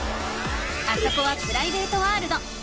あそこはプライベートワールド。